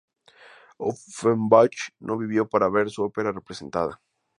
Offenbach no vivió para ver su ópera representada.